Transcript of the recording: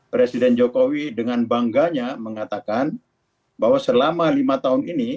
presiden jokowi dengan bangganya mengatakan bahwa selama lima tahun ini